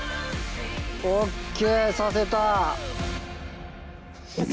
ＯＫ挿せた。